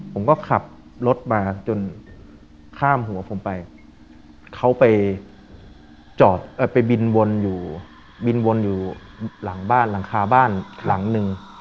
ผมก็ขับรถมาจนข้ามหัวผมไปเขาไปบินวนอยู่หลังบ้านหลังคาบ้านหลังนึง